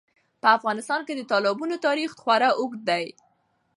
په افغانستان کې د تالابونو تاریخ خورا اوږد دی.